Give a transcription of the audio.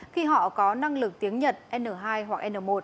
khi họ có năng lực tiếng nhật n hai hoặc n một